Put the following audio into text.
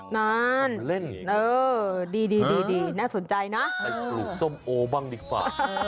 นั่นเออดีน่าสนใจนะให้กรุกส้มโอ้บ้างดีกว่า